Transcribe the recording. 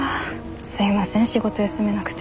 すいません仕事休めなくて。